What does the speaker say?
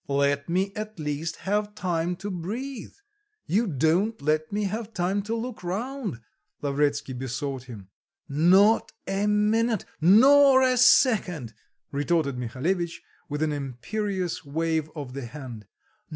"Let me at least have time to breathe; you don't let me have time to look round," Lavretsky besought him. "Not a minute, nor a second!" retorted Mihalevitch with an imperious wave of the hand.